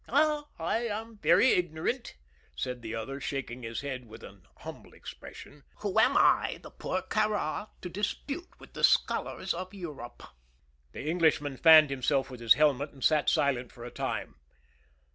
"Ah, I am very ignorant," said the other, shaking his head with an humble expression. "Who am I, the poor Kāra, to dispute with the scholars of Europe?" The Englishman fanned himself with his helmet and sat silent for a time.